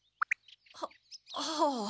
ははあ。